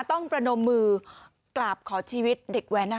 ประนมมือกราบขอชีวิตเด็กแว้น